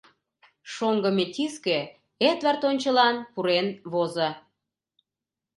— шоҥго метиске Эдвард ончылан пурен возо.